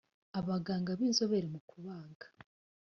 abaganga b inzobere mu kubaga